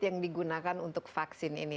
yang digunakan untuk vaksin ini